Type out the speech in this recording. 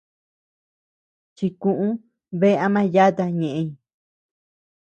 Chikuʼu bea ama yata ñeʼeñ.